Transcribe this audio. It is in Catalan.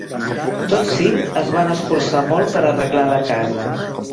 Tots cinc es van esforçar molt per arreglar la casa.